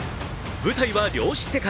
舞台は量子世界。